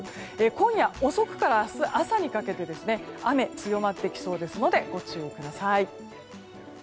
今夜遅くから明日朝早くにかけて雨、強まってきそうですのでご注意ください。